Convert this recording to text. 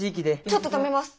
ちょっと止めます！